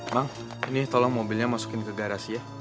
bang ini tolong mobilnya masukin ke garasi ya